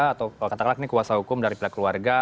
atau kalau kata kata ini kuasa hukum dari pilihan keluarga